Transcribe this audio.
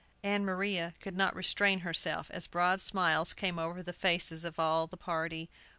Ann Maria could not restrain herself, as broad smiles came over the faces of all the party.